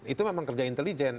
itu memang kerja intelijen